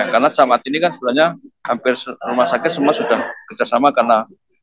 karena saat ini kan sebenarnya hampir semua rumah sakit sudah kerjasama karena